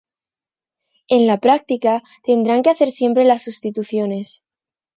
En la práctica, tendrán que hacer siempre las sustituciones.